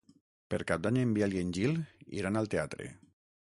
Per Cap d'Any en Biel i en Gil iran al teatre.